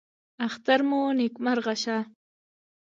اختر مو نیکمرغه شه